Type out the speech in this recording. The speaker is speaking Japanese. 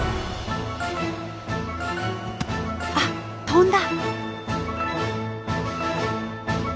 あっ飛んだ！